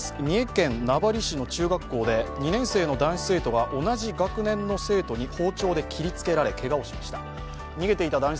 三重県名張市の中学校で２年生の男子生徒が同じ学年の生徒に包丁で切りつけられけがをしました。